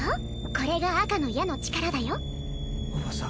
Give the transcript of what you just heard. これが赤の矢の力だよ叔母さん